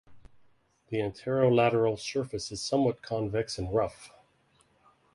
The antero-lateral surface is somewhat convex and rough.